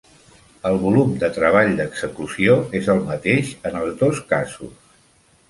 El volum de treball d'execució és el mateix en els dos casos.